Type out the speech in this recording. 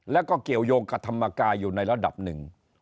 แล้วก็เกี่ยวยงกับธรรมกายอยู่ในระดับหนึ่ง